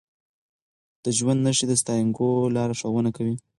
د ژوند نښې د سانتیاګو لار روښانه کوي.